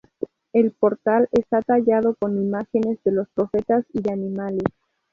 El portal está tallado con imágenes de los profetas y de animales.